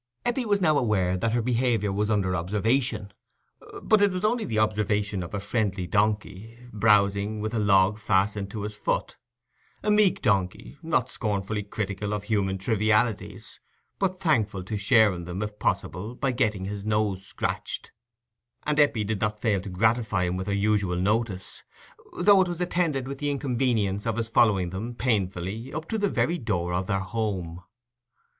Eppie was now aware that her behaviour was under observation, but it was only the observation of a friendly donkey, browsing with a log fastened to his foot—a meek donkey, not scornfully critical of human trivialities, but thankful to share in them, if possible, by getting his nose scratched; and Eppie did not fail to gratify him with her usual notice, though it was attended with the inconvenience of his following them, painfully, up to the very door of their home.